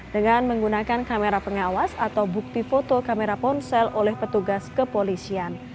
dengan menggunakan kamera pengawas atau bukti foto kamera ponsel oleh petugas kepolisian